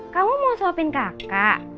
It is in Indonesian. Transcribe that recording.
kamu mau sopin kakak